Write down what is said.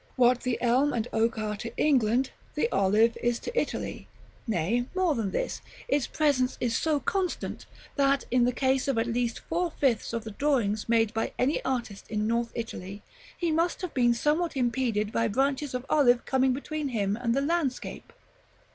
What the elm and oak are to England, the olive is to Italy; nay, more than this, its presence is so constant, that, in the case of at least four fifths of the drawings made by any artist in North Italy, he must have been somewhat impeded by branches of olive coming between him and the landscape.